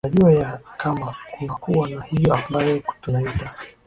tunajua ya kama kunakuwa na hiyo ambayo tunaita